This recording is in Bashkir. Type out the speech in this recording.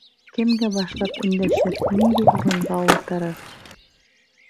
Кемгә башлап өндәшер, ниндәй урынға ултырыр?